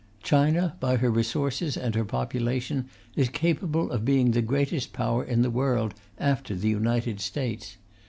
China, by her resources and her population, is capable of being the greatest Power in the world after the United States.